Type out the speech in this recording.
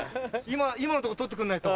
今のとこ撮ってくんないと。